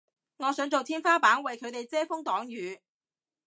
我想做天花板為佢哋遮風擋雨